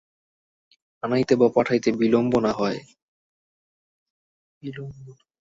আনাইতে বা পাঠাইতে বিলম্ব না হয়।